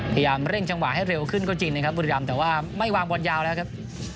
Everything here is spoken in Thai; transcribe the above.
พยายามเร่งจังหวะให้เร็วขึ้นก็จริงนะครับบุรีรำแต่ว่าไม่วางบอลยาวแล้วครับ